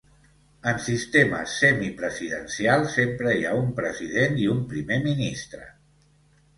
En sistemes semipresidencials, sempre hi ha un president i un primer ministre.